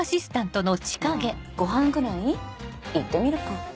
まぁごはんぐらい行ってみるか。